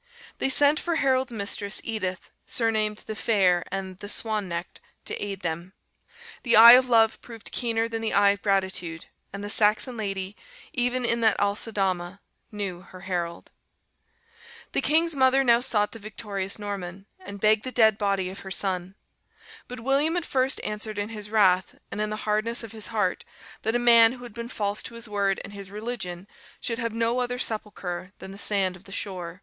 They sent for Harold's mistress, Edith, surnamed "the Fair" and the "Swan necked," to aid them. The eye of love proved keener than the eye of gratitude, and the Saxon lady, even in that Aceldama, knew her Harold. The king's mother now sought the victorious Norman, and begged the dead body of her son. But William at first answered in his wrath, and in the hardness of his heart, that a man who had been false to his word and his religion should have no other sepulchre than the sand of the shore.